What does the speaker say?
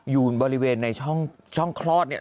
อยู่บริเวณในช่องคลอดเนี่ย